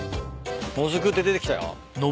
「もずく」って出てきたよ。